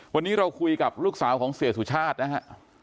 วันนี้เราคุยกับลูกสาวของเสียสุชาตินะฮะ